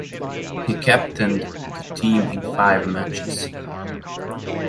He captained the team in five matches.